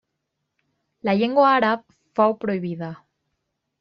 La llengua àrab fou prohibida.